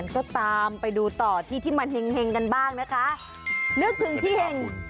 ก็ตามไปดูต่อที่ที่มันเฮย์เฮย์กันบ้างคะนึกสึงที่